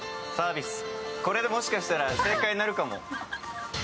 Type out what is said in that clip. これでもしかしたら正解になるかも。